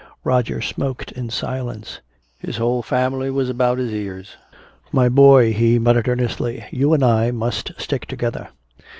Roger smoked in silence. His whole family was about his ears. "My boy," he muttered earnestly, "you and I must stick together."